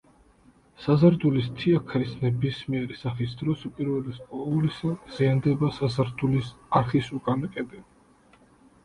საზარდულის თიაქრის ნებისმიერი სახის დროს უპირველეს ყოვლისა ზიანდება საზარდულის არხის უკანა კედელი.